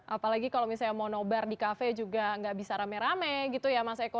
apalagi kalau misalnya mau nobar di kafe juga nggak bisa rame rame gitu ya mas eko